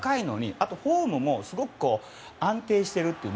あとフォームもすごく安定しているという。